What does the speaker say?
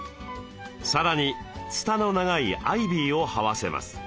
さらにつたの長いアイビーをはわせます。